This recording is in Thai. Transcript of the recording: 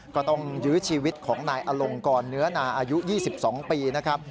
ก็ต้องยื้อชีวิตของนายอลงกรเนื้อนาอายุ๒๒ปีนะครับ